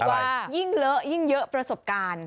ว่ายิ่งเลอะยิ่งเยอะประสบการณ์